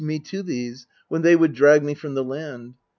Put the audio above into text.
MEDEA 267 To these, when they would drag me from the land.